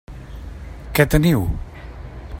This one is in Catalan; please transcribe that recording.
Què teniu?